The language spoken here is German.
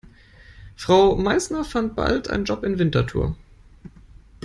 Frau Meißner fand bald einen Job in Winterthur.